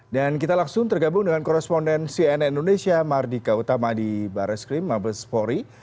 dan kita langsung tergabung dengan koresponden cnn indonesia mardika utama di barreskrim mabes pori